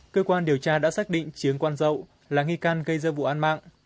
cơ quan điều tra đã xác định chiến quan dậu là nghi can gây ra vụ án mạng